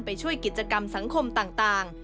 ไปช่วยกิจกรรมสังคมต่าง